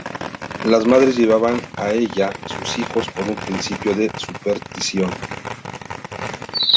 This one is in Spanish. Las madres llevaban a ella sus hijos por un principio de superstición.